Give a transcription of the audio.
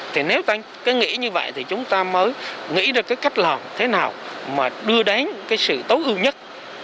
thì nếu ta nghĩ như vậy thì chúng ta mới nghĩ ra cách làm thế nào mà đưa đến sự tối ưu nhất